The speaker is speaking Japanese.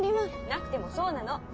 なくてもそうなの。